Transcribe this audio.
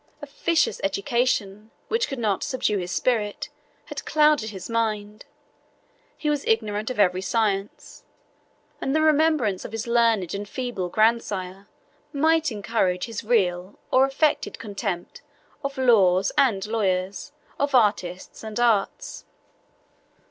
A vicious education, which could not subdue his spirit, had clouded his mind; he was ignorant of every science; and the remembrance of his learned and feeble grandsire might encourage his real or affected contempt of laws and lawyers, of artists and arts.